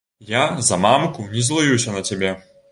Я за мамку не злуюся на цябе.